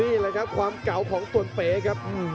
นี่แหละครับความเก่าของตนเป๋ครับ